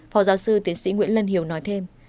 phó giáo sư tiến sĩ nguyễn lân hiếu nói thêm